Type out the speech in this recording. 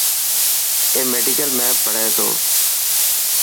اي ميڊيڪل ۾ پهري تو.